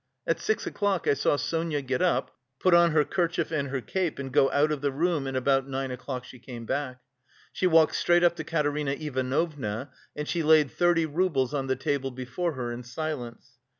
At six o'clock I saw Sonia get up, put on her kerchief and her cape, and go out of the room and about nine o'clock she came back. She walked straight up to Katerina Ivanovna and she laid thirty roubles on the table before her in silence.